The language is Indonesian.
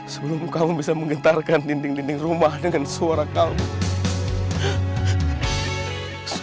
sebelum kamu bisa menggentarkan dinding dinding rumah dengan suara kamu